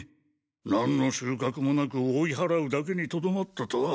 何の収穫もなく追い払うだけに留まったとは。